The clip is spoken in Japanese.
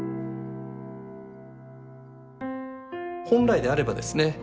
本来であればですね